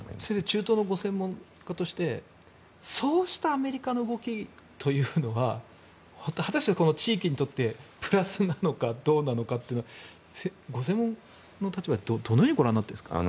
中東の専門家としてそうしたアメリカの動きというのは果たしてこの地域にとってプラスなのかどうなのかご専門の立場で、どのようにご覧になっていますか？